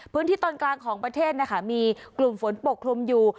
พื้นที่ตอนกลางของประเทศนะคะมีกลุ่มฝนปกคลุมอยู่